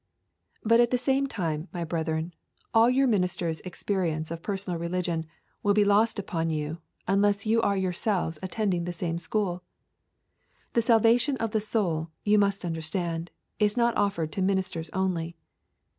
3. But, at the same time, my brethren, all your ministers' experience of personal religion will be lost upon you unless you are yourselves attending the same school. The salvation of the soul, you must understand, is not offered to ministers only.